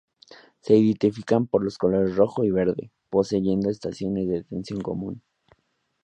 Se identifican por los colores rojo y verde, poseyendo estaciones de detención común.